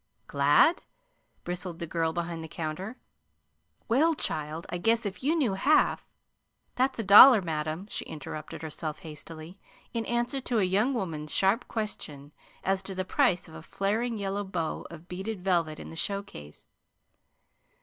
Glad!" bristled the girl behind the counter. "Well, child, I guess if you knew half That's a dollar, madam," she interrupted herself hastily, in answer to a young woman's sharp question as to the price of a flaring yellow bow of beaded velvet in the show case.